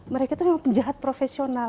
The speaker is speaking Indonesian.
mereka itu memang penjahat profesional